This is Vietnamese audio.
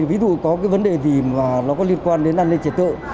ví dụ có cái vấn đề gì mà nó có liên quan đến an ninh trật tự